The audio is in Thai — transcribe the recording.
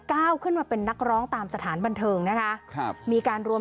ก้าวขึ้นมาเป็นนักร้องตามสถานบันเทิงนะคะครับมีการรวม